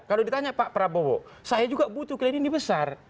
kalau ditanya pak prabowo saya juga butuh kalian ini besar